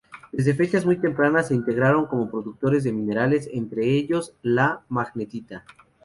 Desde fechas muy tempranas, se integraron como productores de minerales, entre ellos la magnetita.